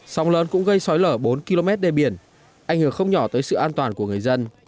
sông lớn cũng gây xói lở bốn km đê biển ảnh hưởng không nhỏ tới sự an toàn của người dân